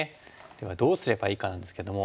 ではどうすればいいかなんですけども。